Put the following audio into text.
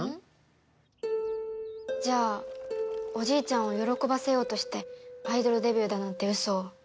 じゃあおじいちゃんを喜ばせようとしてアイドルデビューだなんてウソを。